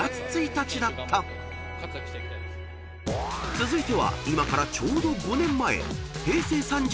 ［続いては今からちょうど５年前］